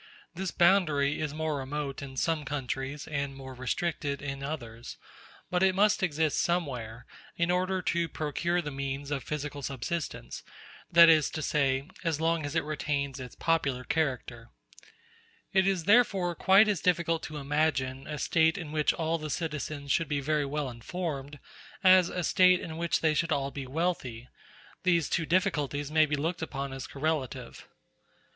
This boundary is more remote in some countries and more restricted in others; but it must exist somewhere as long as the people is constrained to work in order to procure the means of physical subsistence, that is to say, as long as it retains its popular character. It is therefore quite as difficult to imagine a State in which all the citizens should be very well informed as a State in which they should all be wealthy; these two difficulties may be looked upon as correlative.